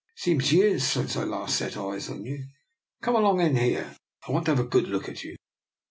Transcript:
It seems years since I last set eyes on you. Come along in here; I want to have a good look at you.